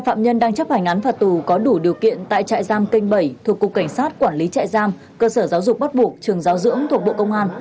ba phạm nhân đang chấp hành án phạt tù có đủ điều kiện tại trại giam kênh bảy thuộc cục cảnh sát quản lý trại giam cơ sở giáo dục bắt buộc trường giáo dưỡng thuộc bộ công an